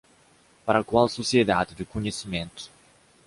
Para qual sociedade de conhecimento.